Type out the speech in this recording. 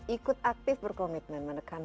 ikut aktif berkomitmen menekan